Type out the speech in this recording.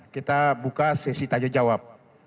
kita buka sesi tanya jawab